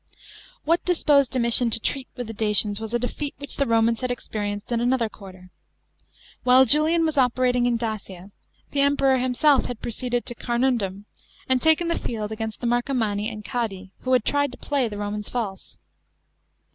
§ 15. What disposed Dumitian to treat wit! the Dacians was a defeat which the Romans had exierienccd in another quarier. While Julian was 01 dating iu Dacia, the Emp< roi himself hud proceeded to Carnunmm, and taken the fit Id against the Marco manni and Quadi, who had tried to play the Romans lalse.